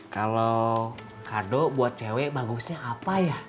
kalau kado buat cewek bagusnya apa ya